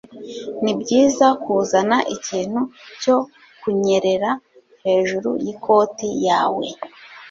Nibyiza kuzana ikintu cyo kunyerera hejuru yikoti yawe.